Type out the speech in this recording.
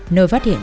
nơi phát hiện